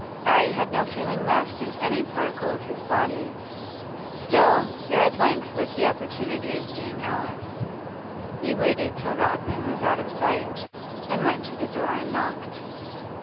'Arry had no feeling left in any particle of his body. Still here at length was the opportunity of seeing Alice. He waited till Rodman was out of sight, then went to the door and knocked.